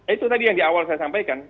itu tadi yang di awal saya sampaikan